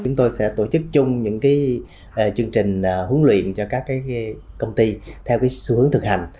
chúng tôi sẽ tổ chức chung những cái chương trình huấn luyện cho các cái công ty theo cái xu hướng thực hành